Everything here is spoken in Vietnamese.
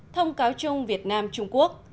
thông cáo chung việt nam trung quốc